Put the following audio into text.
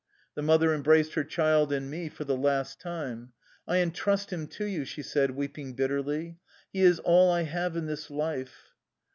The mother embraced her child and me for the last time. " I entrust him to you," she said, weeping bit terly. " He is all I have in this life."